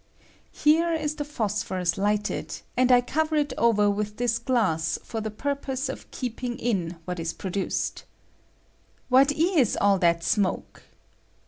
Ilere ia the phosphorus ^ lighted, and I cover it over with this glass for the purpose of keeping in what is produced. What is all that smoke